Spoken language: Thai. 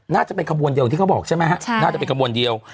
น่าจะเป็นขบวนเดียวที่เขาบอกใช่ไหมฮะน่าจะเป็นขบวนเดียว